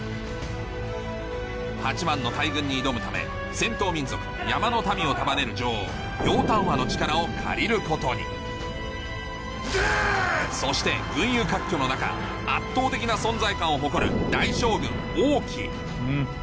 ８万の大軍に挑むため戦闘民族山の民を束ねる女王楊端和の力を借りることにそして群雄割拠の中圧倒的な存在感を誇る大将軍王騎ンフ。